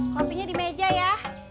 kopinya di meja ya